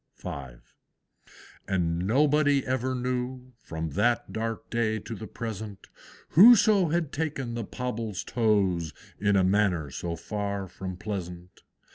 V. And nobody ever knew, From that dark day to the present, Whoso had taken the Pobble's toes, In a manner so far from pleasant.